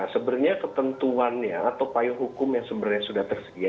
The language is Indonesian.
sebenarnya ketentuannya atau payung hukum yang sebenarnya sudah tersedia